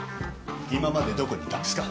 今までどこにいたんですか？